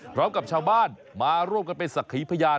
พร้อมกับชาวบ้านมาร่วมกันเป็นสักขีพยาน